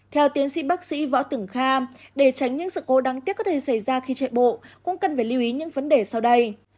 theo tiến sĩ bác sĩ võ tưởng kham để tránh những sự cố đáng tiếc có thể xảy ra khi chạy bộ cũng cần phải lưu ý những vấn đề sau đây